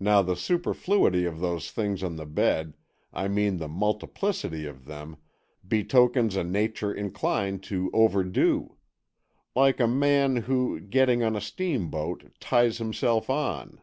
Now, the superfluity of those things on the bed, I mean the multiplicity of them, betokens a nature inclined to overdo. Like a man who, getting on a steam boat, ties himself on."